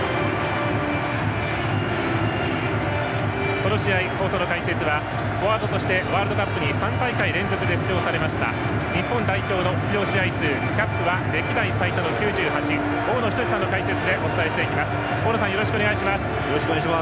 この試合、放送の解説はフォワードでワールドカップに３大会連続で出場されました日本代表の出場試合数キャップは歴代最多９８大野均さんの解説でお伝えしていきます。